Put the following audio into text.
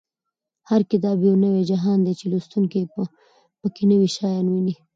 هر کتاب یو نوی جهان دی چې لوستونکی په کې نوي شیان ویني.